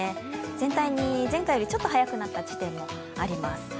全体に、前回よりちょっと早くなった地点もあります。